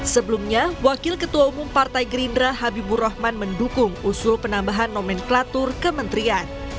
sebelumnya wakil ketua umum partai gerindra habibur rahman mendukung usul penambahan nomenklatur kementerian